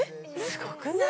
すごくない？